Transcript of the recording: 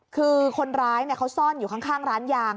คือคนร้ายเขาซ่อนอยู่ข้างร้านยาง